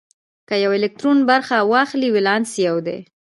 که یو الکترون برخه واخلي ولانس یو دی.